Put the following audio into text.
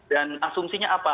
dan asumsinya apa